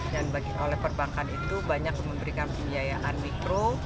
dan oleh perbankan itu banyak memberikan pembiayaan mikro